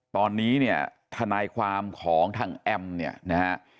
ตอนนี้เนี่ยทนายความของทางแอมเนี่ยนะฮะ